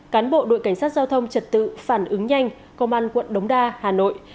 cán bộ đội cảnh sát giao thông trật tự phản ứng nhanh công an quận đống đa hà nội